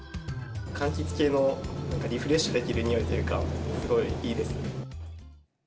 かんきつ系のリフレッシュできるにおいというか、すごいいいです。